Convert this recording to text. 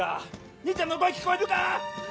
兄ちゃんの声聞こえるか！？